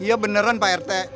iya beneran pak rt